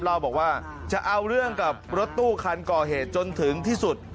เล่าบอกว่าจะเอาเรื่องกับรถตู้คันก่อเหตุจนถึงที่สุด